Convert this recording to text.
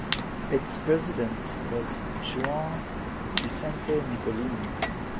Its president was Juan Vicente Nicolini.